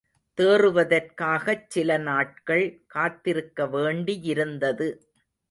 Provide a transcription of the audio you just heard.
தேறுவதற்காகச் சிலநாட்கள் காத்திருக்க வேண்டியிருந்தது.